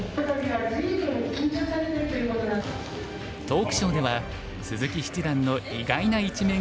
トークショーでは鈴木七段の意外な一面が披露されました。